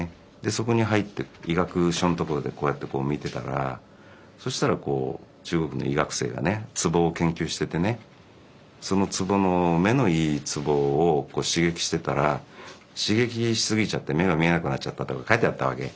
そこに入って医学書の所でこうやって見てたらそしたら中国の医学生がねツボを研究しててねそのツボの目のいいツボを刺激してたら刺激しすぎちゃって目が見えなくなっちゃったとか書いてあったわけ。